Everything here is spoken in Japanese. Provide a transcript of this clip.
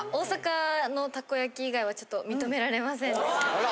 あら。